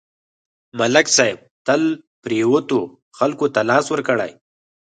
ملک صاحب تل پرېوتو خلکو ته لاس ورکړی